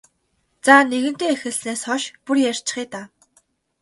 За нэгэнтээ эхэлснээс хойш бүр ярьчихъя даа.